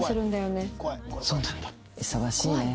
忙しいね。